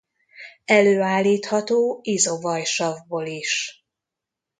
Előállítható izo-vajsavból is.